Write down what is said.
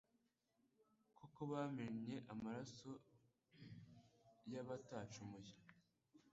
Koko bamennye amaraso y’abatacumuye